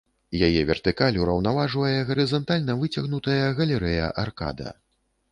Яе вертыкаль ураўнаважвае гарызантальна выцягнутая галерэя-аркада.